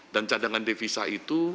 dan cadangan devisa itu